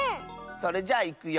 それじゃあいくよ。